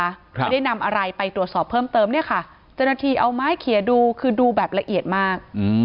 ไม่ได้นำอะไรไปตรวจสอบเพิ่มเติมเนี่ยค่ะเจ้าหน้าที่เอาไม้เขียนดูคือดูแบบละเอียดมาก